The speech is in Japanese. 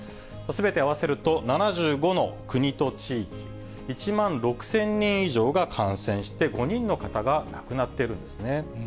すべて合わせると７５の国と地域、１万６０００人以上が感染して、５人の方が亡くなっているんです